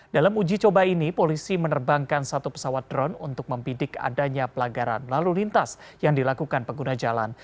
dalam uji coba ini polisi menerbangkan satu pesawat drone untuk membidik adanya pelanggaran lalu lintas yang dilakukan pengguna jalan